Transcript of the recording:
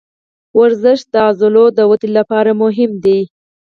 ورزش د عضلو د ودې لپاره مهم دی.